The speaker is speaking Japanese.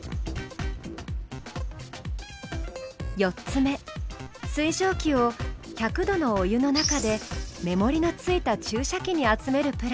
４つ目水蒸気を１００度のお湯の中で目盛りのついた注射器に集めるプラン。